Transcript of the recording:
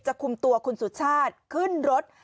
คุมตัวคุณสุชาติขึ้นรถ